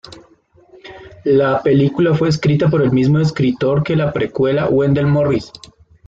La película fue escrita por el mismo escritor que la precuela, Wendell Morris.